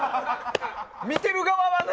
見ている側はね？